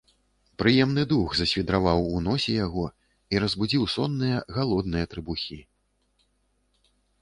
Прыемны дух засвідраваў у носе яго і разбудзіў сонныя, галодныя трыбухі.